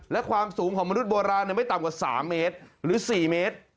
และความสูงของมนุษย์โบราณไม่ต่ำกว่า๓เมตรหรือ๔เมตร